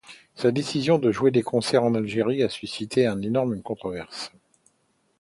Sa décision de jouer des concerts en Algérie a suscité une énorme controverse.